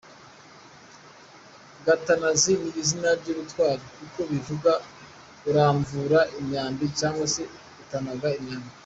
Gatanazi ni izina ry’ubutwari kuko bivuga uramvura imyambi cyangwa se utanaga imyambi.